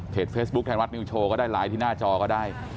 เฟซบุ๊คไทยรัฐนิวโชว์ก็ได้ไลน์ที่หน้าจอก็ได้